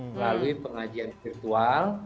melalui pengajian virtual